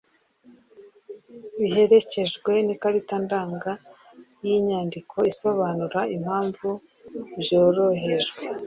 biherekejwe n'ikarita ndanga n'inyandiko isobanura impamvu byoherejwe.